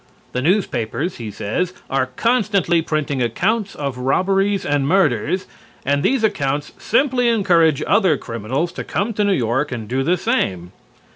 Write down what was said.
The newspapers, he says, are constantly printing accounts of robberies and murders, and these accounts simply encourage other criminals to come to New York and do the same.